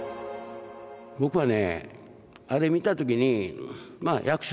僕はね